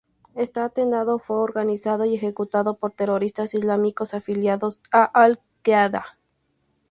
Este atentado fue organizado y ejecutado por terroristas islámicos afiliados a Al Qaeda.